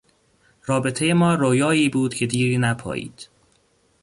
رابطهی ما رویایی بود که دیری نپایید.